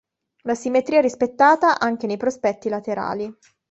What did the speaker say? La simmetria è rispettata anche nei prospetti laterali.